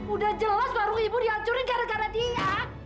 udah jelas baru ibu dihancurin gara gara dia